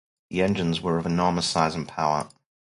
The engines were of enormous size and power.